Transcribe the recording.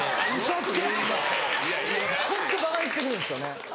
ホントばかにして来るんですよね。